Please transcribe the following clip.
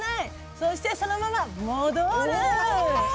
そしてそのまま戻る。